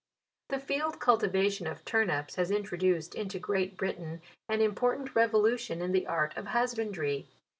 The field cultivation of turnips has intro duced into Great Britain an important revo lution in the art of husbandrv.